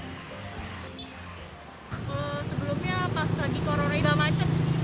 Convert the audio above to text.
kalau sebelumnya pas lagi corona sudah macet